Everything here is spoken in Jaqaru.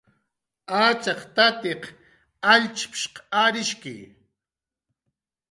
"Achak tatiq allchp""shq arishki"